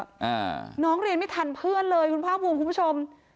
อ่าน้องเรียนไม่ทันเพื่อนเลยคุณภาคภูมิคุณผู้ชม